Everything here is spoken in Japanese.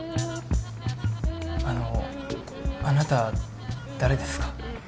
あのあなた誰ですか？